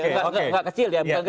nggak kecil ya